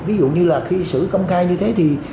ví dụ như là khi xử công khai như thế thì